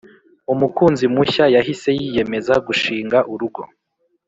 umukunzi mushya yahise yiyemeza gushinga urugo